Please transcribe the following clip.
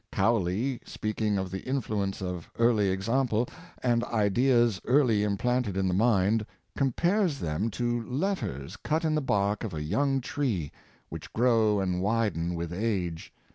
Cowley, speaking of the influence of early example, and ideas early implanted in the mind, compares them to letters cut in the bark of a young tree, which grow and widen with age.